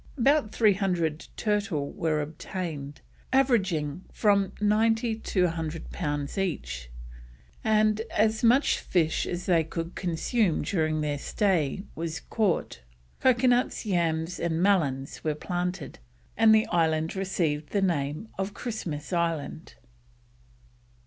About three hundred turtle were obtained, averaging from 90 to 100 pounds each, and as much fish as they could consume during their stay was caught. Coconuts, yams, and melons were planted, and the island received the name of Christmas Island.